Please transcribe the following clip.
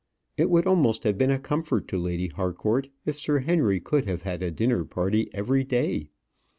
It would almost have been a comfort to Lady Harcourt if Sir Henry could have had a dinner party every day.